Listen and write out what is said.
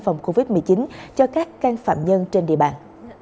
phòng covid một mươi chín cho các can phạm nhân trên địa bàn